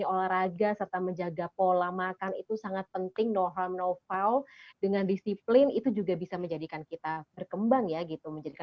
oke dokter michael dan juga mba ika